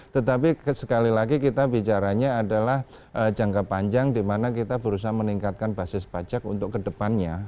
tetapi sekali lagi kita bicaranya adalah jangka panjang di mana kita berusaha meningkatkan basis pajak untuk kedepannya